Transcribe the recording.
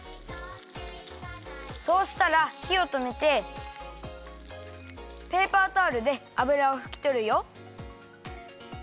そうしたらひをとめてペーパータオルで油をふきとるよ。